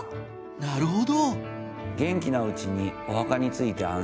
なるほど。